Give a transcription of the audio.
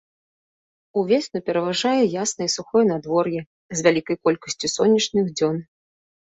Увесну пераважае яснае і сухое надвор'е, з вялікай колькасцю сонечных дзён.